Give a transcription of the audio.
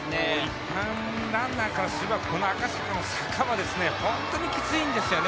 一般ランナーからすればこの赤坂の坂は本当にきついんですよね。